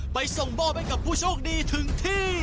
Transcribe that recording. ไปส่งมอบให้กับผู้โชคดีถึงที่